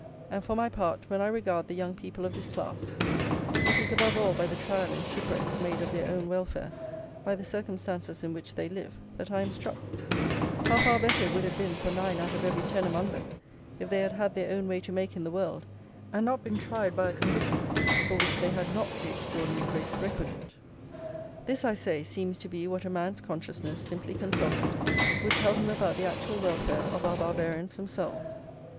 And, for my part, when I regard the young people of this class, it is above all by the trial and shipwreck made of their own welfare by the circumstances in which they live that I am struck; how far better it would have been for nine out of every ten among them, if they had had their own way to make in the world, and not been tried by a condition for which they had not the extraordinary grace requisite! This, I say, seems to be what a man's consciousness, simply consulted, would tell him about the actual welfare of our Barbarians themselves.